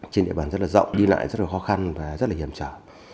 trên địa bàn rất là rộng đi lại rất là khó khăn và rất là hiểm trở